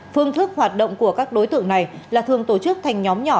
phương thức hoạt động của các đối tượng này là thường tổ chức thành nhóm nhỏ